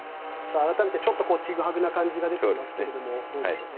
改めてちょっとちぐはぐな感じが出ていますがどうでしょう。